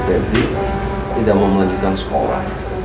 pebri tidak mau melanjutkan sekolah